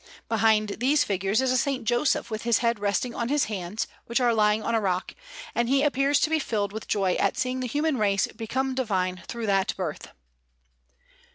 Behind these figures is a S. Joseph with his head resting on his hands, which are lying on a rock; and he appears to be filled with joy at seeing the human race become divine through that Birth.